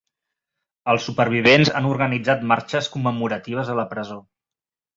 Els supervivents han organitzat marxes commemoratives a la presó.